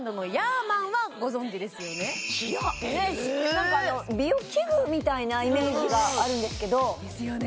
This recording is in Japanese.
何か美容器具みたいなイメージがあるんですけどですよね